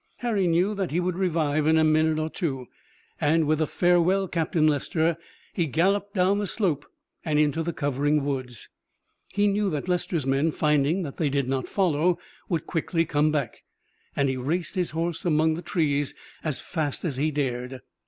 Harry knew that he would revive in a minute or two, and with a "Farewell, Captain Lester," he galloped down the slope and into the covering woods. He knew that Lester's men, finding that they did not follow, would quickly come back, and he raced his horse among the trees as fast as he dared.